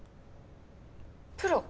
プロ？